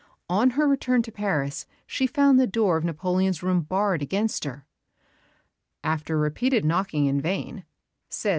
On her return to Paris she found the door of Napoleon's room barred against her. "After repeated knocking in vain," says M.